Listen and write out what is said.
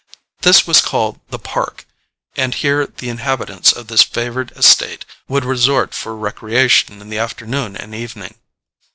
This was called "The Park," and here the inhabitants of this favored estate would resort for recreation in the afternoon and evening.